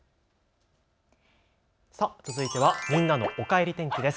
続いてはみんなのおかえり天気です。